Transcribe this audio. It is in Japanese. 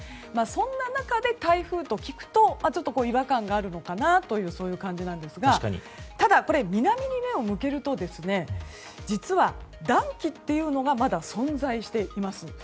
そんな中で台風と聞くとちょっと違和感があるのかなとそういう感じなんですがただ、南に目を向けると実は暖気っていうのがまだ存在しています。